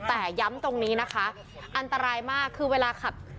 แต่ย้ำตรงนี้นะคะอันตรายมากคือเวลาขับ